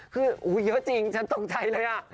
คืออูยเยอะจริงฉันต้องใจเลย่ะ